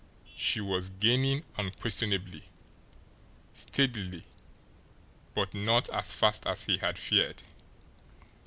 She was gaining unquestionably, steadily, but not as fast as he had feared.